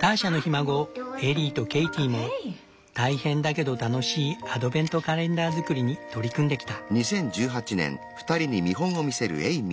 ターシャのひ孫エリーとケイティも大変だけど楽しいアドベントカレンダー作りに取り組んできた。